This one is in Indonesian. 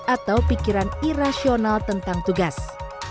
atau pikiran irasional tentang tugas